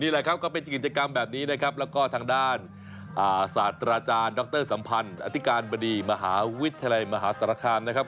แหละครับก็เป็นกิจกรรมแบบนี้นะครับแล้วก็ทางด้านศาสตราจารย์ดรสัมพันธ์อธิการบดีมหาวิทยาลัยมหาสารคามนะครับ